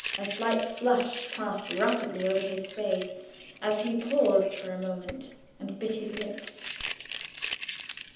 A slight flush passed rapidly over his face, as he paused for a moment and bit his lips.